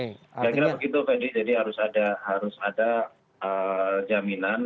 kira kira begitu fedy jadi harus ada jaminan